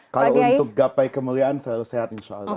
kalau untuk gapai kemuliaan selalu sehat insyaallah